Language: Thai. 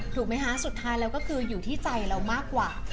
ถูกไหมคะสุดท้ายแล้วก็คืออยู่ที่ใจเรามากกว่า